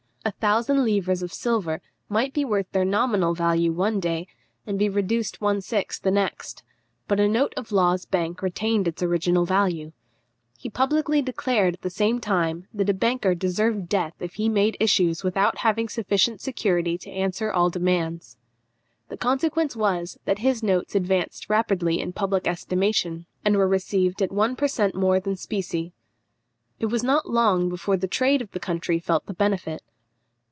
A thousand livres of silver might be worth their nominal value one day, and be reduced one sixth the next, but a note of Law's bank retained its original value. He publicly declared at the same time, that a banker deserved death if he made issues without having sufficient security to answer all demands. The consequence was, that his notes advanced rapidly in public estimation, and were received at one per cent more than specie. It was not long before the trade of the country felt the benefit.